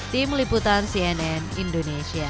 tim liputan cnn indonesia